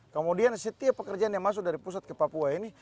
kemudian setiap pekerjaan yang masuk dari pusat ke papua ini